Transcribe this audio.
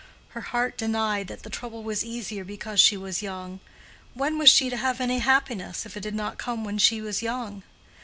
Her heart denied that the trouble was easier because she was young. When was she to have any happiness, if it did not come while she was young?